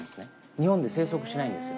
日本で生息してないんですよ。